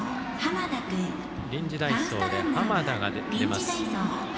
臨時代走で濱田が出ます。